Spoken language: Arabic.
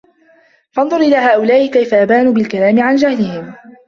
فَانْظُرْ إلَى هَؤُلَاءِ كَيْفَ أَبَانُوا بِالْكَلَامِ عَنْ جَهْلِهِمْ